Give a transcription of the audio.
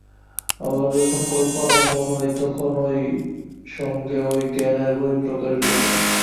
আবার যখন কল্প আরম্ভ হয়, তখন ঐ সঙ্গে এই জ্ঞানেরও বহিঃপ্রকাশ ঘটে।